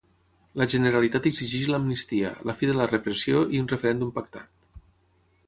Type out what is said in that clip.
La Generalitat exigeix l'amnistia, la fi de la repressió i un referèndum pactat.